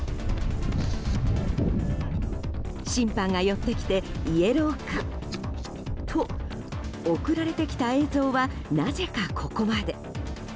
審判が寄ってきてイエローかと送られてきた映像はなぜかここまで。